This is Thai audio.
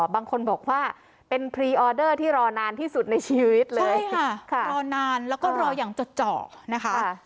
บางคนบอกว่าเป็นพรีออเดอร์ที่รอนานที่สุดในชีวิตเลยรอนานแล้วก็รออย่างจดเจาะนะคะ